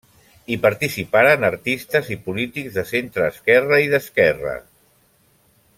Hi participaren artistes i polítics de centreesquerra i d'esquerra.